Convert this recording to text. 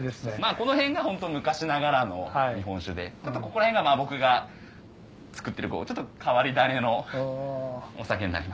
この辺が昔ながらの日本酒でここら辺が僕が造ってる変わり種のお酒になります。